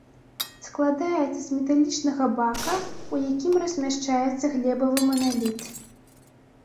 Складаецца з металічнага бака, у якім размяшчаецца глебавы маналіт.